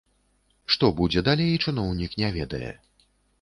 Што будзе далей, чыноўнік не ведае.